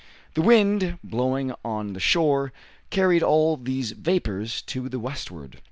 The wind, blowing on the shore, carried all these vapors to the westward.